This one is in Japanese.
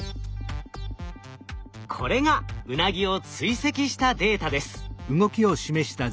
これがウナギを追跡したデータです。